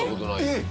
えっ！？